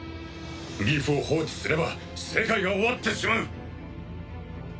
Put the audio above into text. ギフを放置すれば世界が終わってしまう！